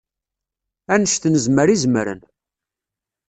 Annect nezmer i zemren.